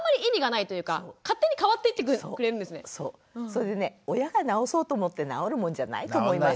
それでね親が直そうと思って直るもんじゃないと思いません？